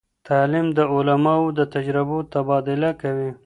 تعلیم د علماوو د تجربو تبادله کوي.